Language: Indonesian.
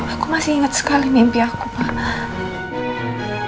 aku masih ingat sekali mimpi aku pak